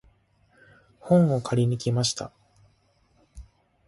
本を借りに行きました。